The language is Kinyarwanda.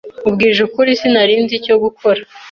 Nkubwije ukuri, sinari nzi icyo gukora.